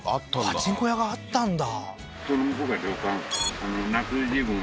パチンコ屋があったんだ？